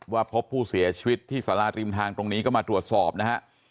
พบผู้เสียชีวิตที่สาราริมทางตรงนี้ก็มาตรวจสอบนะฮะ